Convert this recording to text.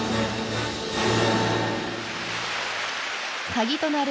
鍵となる